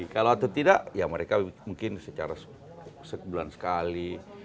kalau atau tidak ya mereka mungkin secara sebulan sekali